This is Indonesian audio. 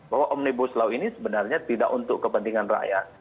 bahwa omnibus law ini sebenarnya tidak untuk kepentingan rakyat